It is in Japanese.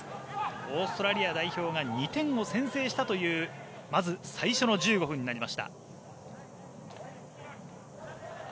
オーストラリア代表が２点を先制したというまず最初の１５分になりました。